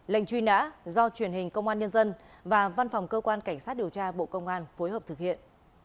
lệnh truy nã do truyền hình công an nhân dân và văn phòng cơ quan cảnh sát điều tra bộ công an phối hợp thực hiện